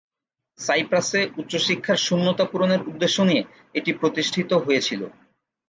সাইপ্রাসে উচ্চশিক্ষার শূন্যতা পূরণের উদ্দেশ্য নিয়ে এটি প্রতিষ্ঠিত হয়েছিলো।